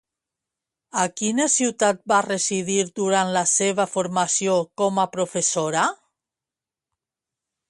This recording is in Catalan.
A quina ciutat va residir durant la seva formació com a professora?